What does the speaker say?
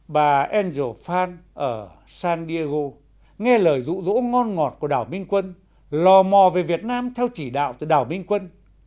bà angel fan ở san diego nghe lời rụ rỗ ngon ngọt của đảo minh quân lò mò về việt nam theo chỉ đạo từ đảo minh quân